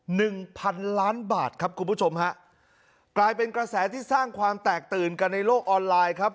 หนึ่งพันล้านบาทครับคุณผู้ชมฮะกลายเป็นกระแสที่สร้างความแตกตื่นกันในโลกออนไลน์ครับ